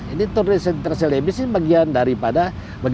ini tour central celebessing bagaimana meredam